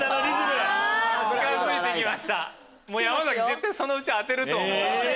絶対そのうち当てると思う。